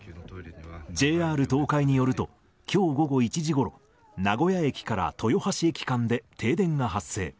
ＪＲ東海によると、きょう午後１時ごろ、名古屋駅から豊橋駅間で停電が発生。